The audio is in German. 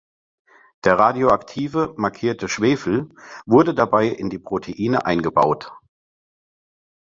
Der radioaktive markierte Schwefel wurde dabei in die Proteine eingebaut.